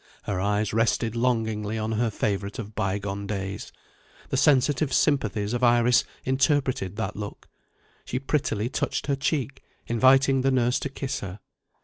Her eyes rested longingly on her favourite of bygone days. The sensitive sympathies of Iris interpreted that look. She prettily touched her cheek, inviting the nurse to kiss her.